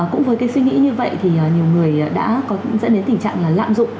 cũng với cái suy nghĩ như vậy thì nhiều người đã dẫn đến tình trạng là lạm dụng